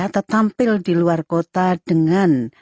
tetampil di luar kota dengan